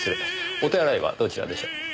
お手洗いはどちらでしょう？